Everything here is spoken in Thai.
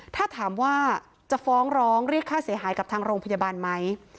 ถ้าถามว่าจะฟ้องร้องเรียกค่าเสียหายกับทางโรงพยาบาลไหม